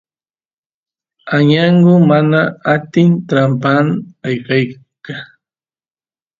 añangu mana atin trampaan ayqeyta